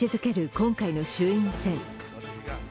今回の衆院選。